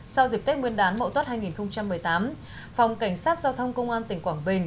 sau dịp tết nguyên đán mậu tuất hai nghìn một mươi tám phòng cảnh sát giao thông công an tỉnh quảng bình